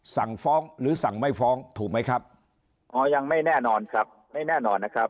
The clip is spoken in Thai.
สั่งฟ้องหรือสั่งไม่ฟ้องถูกไหมครับอ๋อยังไม่แน่นอนครับไม่แน่นอนนะครับ